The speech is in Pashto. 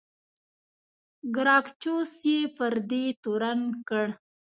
ګراکچوس یې پر دې تورن کړ.